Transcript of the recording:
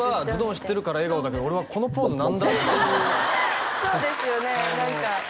知ってるから笑顔だけど俺は「このポーズ何だ？」っていうそうですよね